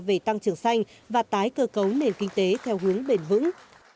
về tăng trưởng xanh và tái cơ cấu nền kinh tế theo hướng bền vững